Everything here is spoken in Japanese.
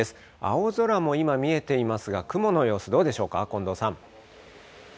青空も今見えていますが、雲の様子、どうでしょうか、近藤さん。